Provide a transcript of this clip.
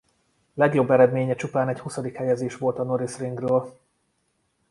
Legjobb eredménye csupán egy huszadik helyezés volt a Norisring-ről.